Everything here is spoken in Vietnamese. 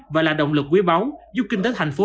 và là động lực quý báu giúp kinh tế thành phố